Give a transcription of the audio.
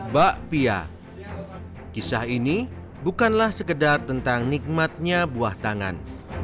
bakpia kisah ini bukanlah sekedar tentang nikmatnya buah tangan